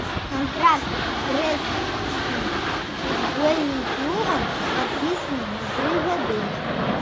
Кантракт з брэсцкім футбольным клубам падпісаны на тры гады.